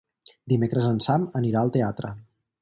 Dimecres en Sam anirà al teatre.